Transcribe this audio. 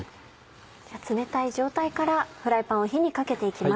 冷たい状態からフライパンを火にかけていきます。